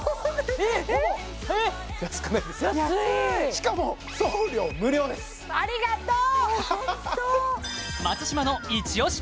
しかも送料無料ですありがとう！